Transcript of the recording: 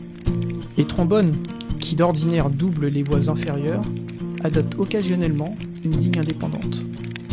Les trombones, qui d'ordinaire doublent les voix inférieures, adoptent occasionnellement une ligne indépendante.